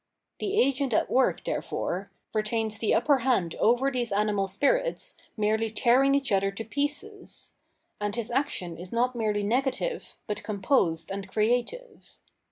The agent at work, therefore, retains the upper hand over these animal spirits merely tearing each other to pieces ; and his action is not merely negative, but composed and creative.